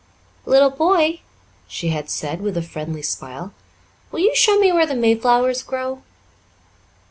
"Little boy," she had said, with a friendly smile, "will you show me where the mayflowers grow?"